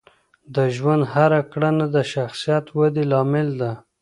د ژوند هره کړنه د شخصیت ودې لامل ده.